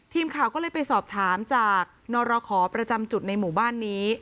ทีมข่าวก็เลยไปสอบถามจากนรขอประจำจุดในหมู่บ้านนี้